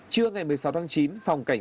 trưa ngày một mươi sáu tháng chín